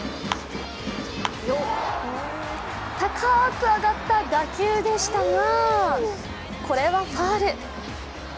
高く上がった打球でしたがこれはファウル。